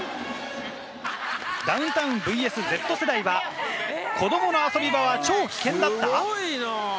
『ダウンタウンｖｓＺ世代』は子どもの遊び場は超危険だった？